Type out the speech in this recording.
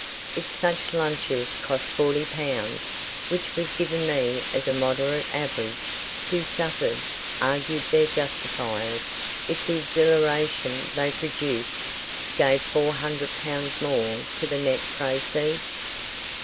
If such lunches cost 40 pounds, which was given me as a moderate average, who suffered, argued their justifiers, if the exhilaration they produced gave 400 pounds more to the net proceeds?